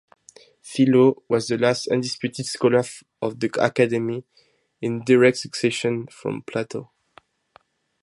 Philo was the last undisputed scholar of the Academy in direct succession from Plato.